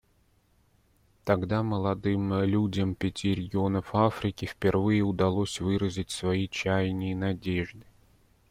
Тогда молодым людям пяти регионов Африки впервые удалось выразить свои чаяния и надежды.